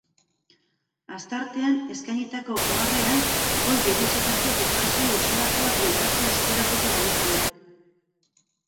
Astartean eskainitako oharrean, goi-geruzetako depresio isolatua bueltatzea espero zuten adituek.